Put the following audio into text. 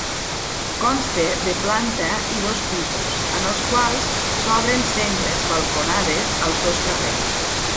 Consta de planta i dos pisos, en els quals s'obren sengles balconades als dos carrers.